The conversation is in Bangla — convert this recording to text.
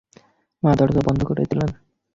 মা দরজা বন্ধ করে দিলেন।